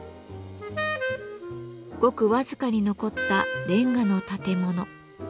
ごく僅かに残ったレンガの建物。